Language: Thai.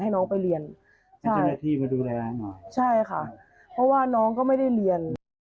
ให้น้องไปเรียนใช่ค่ะเพราะว่าน้องก็ไม่ได้เรียน